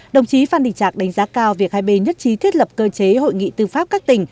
đồng chí phan đình trạc đánh giá cao việc hai bên nhất trí thiết lập cơ chế hội nghị tư pháp các tỉnh